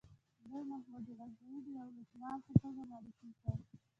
دوی محمود غزنوي د یوه لوټمار په توګه معرفي کړ.